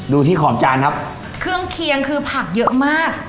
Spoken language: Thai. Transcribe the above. ดูที่ขอบจานครับเครื่องเคียงคือผักเยอะมาก